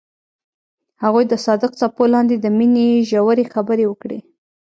هغوی د صادق څپو لاندې د مینې ژورې خبرې وکړې.